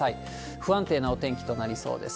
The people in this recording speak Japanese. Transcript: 不安定なお天気となりそうです。